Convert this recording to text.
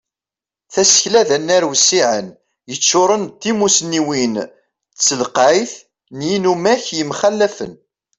Tasekla d anar wissiɛen, yeččuren d timusniwin d telqayt n yinumak yemxalafen.